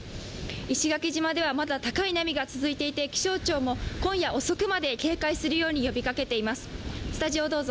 石垣島ではまだ高い波が続いていて、気象庁も今夜遅くまで警戒するように呼びかけています。